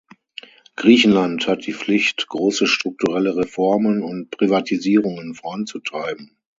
Griechenland hat die Pflicht, große strukturelle Reformen und Privatisierungen voranzutreiben.